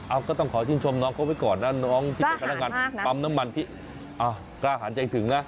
เอาก็ต้องขอชินชมน้องเขาไปก่อนนะน้องกล้าห่านเยี่ยงถึงนะ